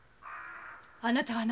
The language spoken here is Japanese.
あなたは私？